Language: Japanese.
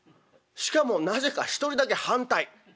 しかもなぜか１人だけ反対。